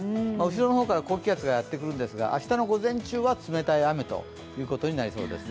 後ろの方から高気圧がやってくるんですが、明日の午前中は冷たい雨ということになりそうです。